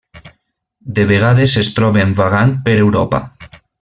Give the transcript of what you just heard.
De vegades es troben vagant per Europa.